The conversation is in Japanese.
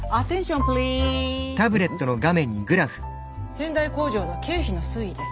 仙台工場の経費の推移です。